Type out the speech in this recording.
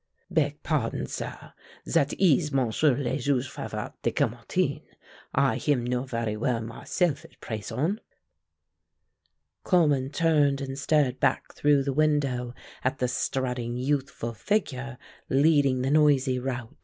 "Beg pahdon, sah, zat ees Monsieur le Juge Favart de Caumartin. I him know varee well myself at prayson." Coleman turned and stared back through the window at the strutting youthful figure leading the noisy rout.